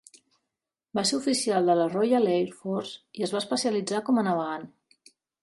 Va ser oficial de la Royal Air Force i es va especialitzar com a navegant.